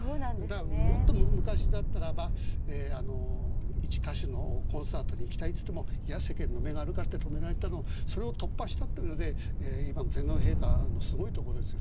だからもっと昔だったらば一歌手のコンサートに行きたいっつっても「いや世間の目があるから」って止められてたのをそれを突破したというので今の天皇陛下のすごいところですよね。